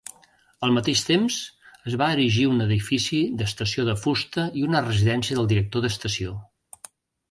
Al mateix temps, es va erigir un edifici d'estació de fusta i una residència del director d'estació.